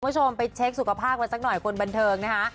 คุณผู้ชมไปเช็คสุขภาพกันสักหน่อยคนบันเทิงนะคะ